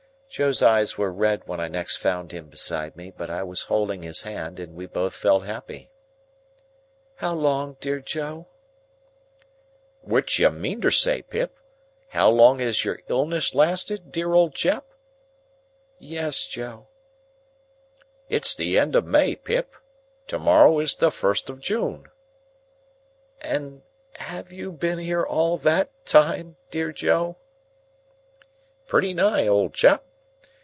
Joe's eyes were red when I next found him beside me; but I was holding his hand, and we both felt happy. "How long, dear Joe?" "Which you meantersay, Pip, how long have your illness lasted, dear old chap?" "Yes, Joe." "It's the end of May, Pip. To morrow is the first of June." "And have you been here all that time, dear Joe?" "Pretty nigh, old chap.